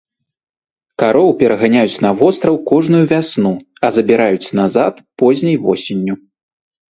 Кароў пераганяюць на востраў кожную вясну, а забіраюць назад позняй восенню.